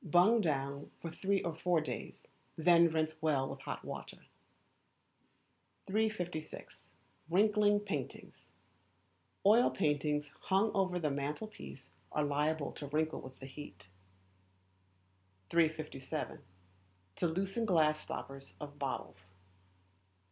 Bung down for three or four days, then rinse well with hot water. 356. Wrinkly Paintings. Oil paintings hung over the mantel piece are liable to wrinkle with the heat. 357. To Loosen Glass Stoppers of Bottles.